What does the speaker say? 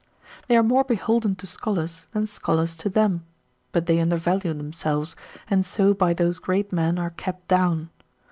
they are more beholden to scholars, than scholars to them; but they undervalue themselves, and so by those great men are kept down.